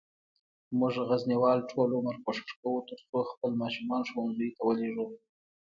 مونږه غزنیوال ټول عمر کوښښ کووه ترڅوخپل ماشومان ښوونځیوته ولیږو